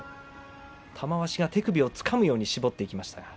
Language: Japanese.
玉鷲が手首をつかむように絞っていきました。